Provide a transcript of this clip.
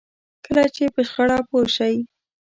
کله چې په شخړه پوه شئ.